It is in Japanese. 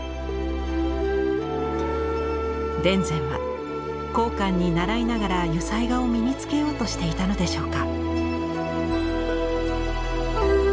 田善は江漢にならいながら油彩画を身につけようとしていたのでしょうか。